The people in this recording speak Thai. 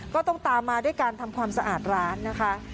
ก็ต้องตามมาด้วยการทำความสะอาดร้านนะคะ